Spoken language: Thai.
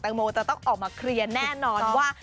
โมจะต้องออกมาเคลียร์แน่นอนว่า